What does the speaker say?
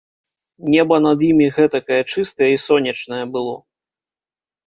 Неба над імі гэтакае чыстае і сонечнае было!